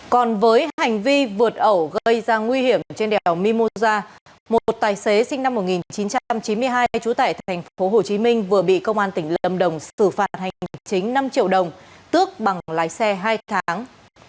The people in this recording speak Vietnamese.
còn với hành vi vượt ẩu gây ra nguy hiểm trên đèo mimosa một tài xế sinh năm một nghìn chín trăm chín mươi hai trú tại tp hcm vừa bị công an tỉnh lâm đồng xử phạt hành chính năm triệu đồng tước bằng lái xe hai tháng